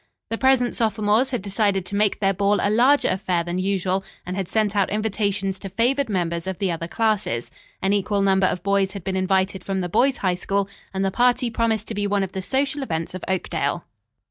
The present sophomores had decided to make their ball a larger affair than usual, and had sent out invitations to favored members of the other classes. An equal number of boys had been invited from the boys' High School, and the party promised to be one of the social events of Oakdale.